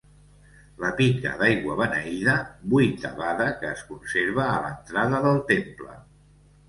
La pica d'aigua beneïda, vuitavada, que es conserva a l'entrada del temple.